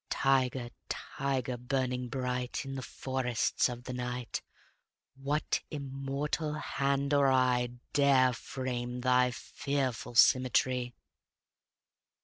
Tiger, tiger, burning bright In the forests of the night, What immortal hand or eye Dare frame thy fearful symmetry?